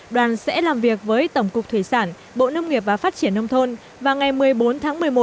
đoàn sẽ làm việc với tổng cục thủy sản bộ nông nghiệp và phát triển nông thôn và ngày một mươi bốn tháng một mươi một